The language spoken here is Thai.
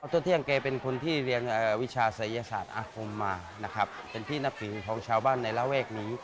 ทัวทิ้งเกย์เป็นคนที่เรียงวิชารัฐศัรยศาสตร์อภงมะเป็นพี่นพิวของชาวบ้านและแหล่ของนี้